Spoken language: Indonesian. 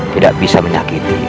tidak bisa menyakiti